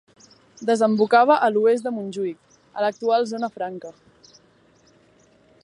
Desembocava a l'oest de Montjuïc, a l'actual Zona Franca.